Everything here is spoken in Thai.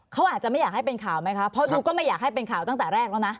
เขาอาจจะไม่อยากให้เป็นข่าวไหมคะเพราะดูก็ไม่อยากให้เป็นข่าวตั้งแต่แรกแล้วนะ